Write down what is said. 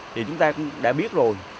thì chúng ta cũng đã biết rồi